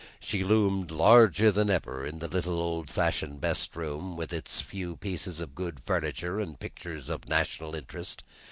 She loomed larger than ever in the little old fashioned best room, with its few pieces of good furniture and pictures of national interest.